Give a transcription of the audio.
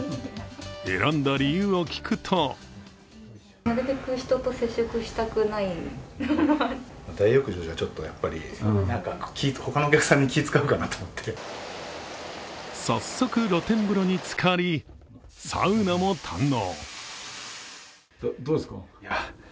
選んだ理由を聞くと早速、露天風呂につかり、サウナも堪能。